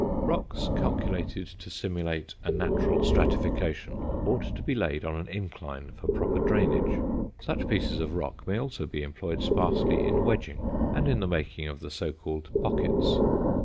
Rocks calculated to simulate a natural stratification ought to be laid on an incline for proper drainage. Such pieces of rock may also be employed sparsely in wedging, and in the making of the so called "pockets."